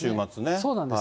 そうなんです。